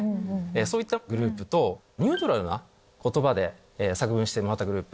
そういったグループとニュートラルな言葉で作文してもらったグループ。